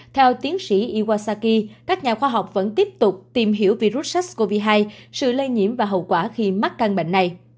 theo tiến sĩ iwasaki các nhà khoa học vẫn tiếp tục tìm hiểu virus sars cov hai sự lây nhiễm và hậu quả khi mắc căn bệnh này